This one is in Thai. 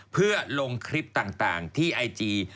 เพื่อลงคลิปต่างที่ไอจี